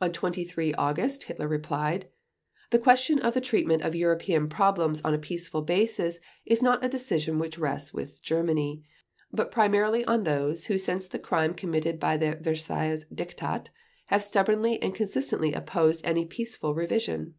On 23 August Hitler replied: "The question of the treatment of European problems on a peaceful basis is not a decision which rests with Germany, but primarily on those who since the crime committed by the Versailles Diktat have stubbornly and consistently opposed any peaceful revision.